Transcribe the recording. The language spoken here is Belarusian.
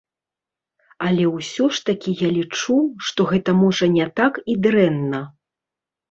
Але ўсё ж такі я лічу, што гэта можа не так і дрэнна.